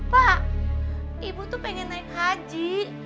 pak ibu tuh pengen naik haji